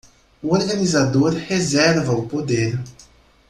O organizador reserva o poder